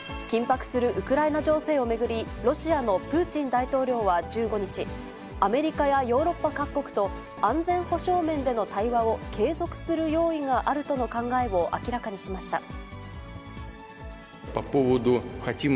緊迫するウクライナ情勢を巡り、ロシアのプーチン大統領は１５日、アメリカやヨーロッパ各国と、安全保障面での対話を継続する用意があるとの考えを明らかにしました。